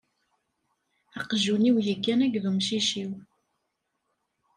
Aqjun-iw yeggan akked umcic-iw.